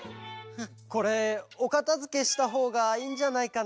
これおかたづけしたほうがいいんじゃないかな？